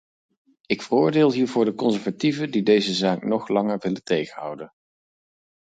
Ik veroordeel hiervoor de conservatieven, die deze zaak nog langer willen tegenhouden.